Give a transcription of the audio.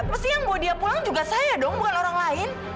pasti yang bawa dia pulang juga saya dong bukan orang lain